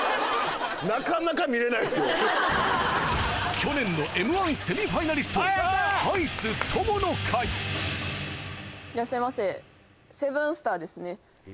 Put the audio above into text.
去年のＭ−１セミファイナリストいらっしゃいませえ